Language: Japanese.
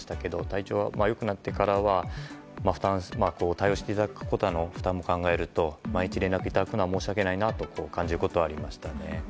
ｇ体調が良くなってからは対応していただく方の負担を考えると毎日連絡をいただくのは申し訳ないなと感じました。